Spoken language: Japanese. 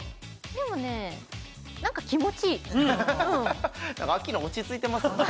でもねなんか気持ちいいうんアッキーナ落ち着いてますよ